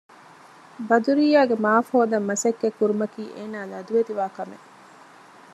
ބަދުރިއްޔާގެ މަޢާފް ހޯދަން މަސައްކަތް ކުރުމަކީ އޭނާ ލަދުވެތިވާ ކަމެއް